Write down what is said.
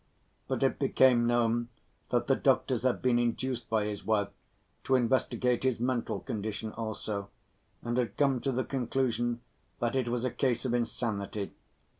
But it became known that the doctors had been induced by his wife to investigate his mental condition also, and had come to the conclusion that it was a case of insanity.